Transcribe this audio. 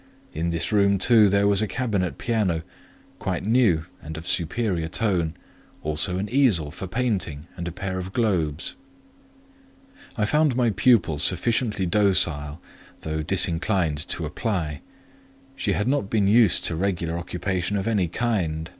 In this room, too, there was a cabinet piano, quite new and of superior tone; also an easel for painting and a pair of globes. I found my pupil sufficiently docile, though disinclined to apply: she had not been used to regular occupation of any kind.